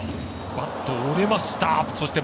バットが折れました。